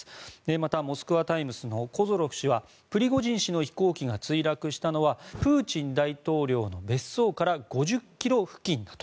また、モスクワ・タイムズのコゾロフ氏はプリゴジン氏の飛行機が墜落したのはプーチン大統領の別荘から５０ｋｍ付近だと。